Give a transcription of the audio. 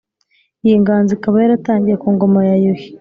iyi nganzo ikaba yaratangiye ku ngoma ya yuhi